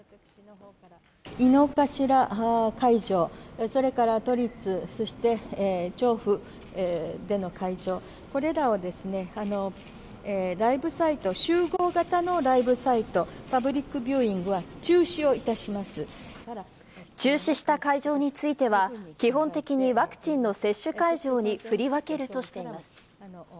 井の頭会場、それから都立、そして調布での会場、これらをライブサイト、集合型のライブサイト、パブリックビューイングは中止をいたしま中止した会場については、基本的にワクチンの接種会場に振り分けるとしています。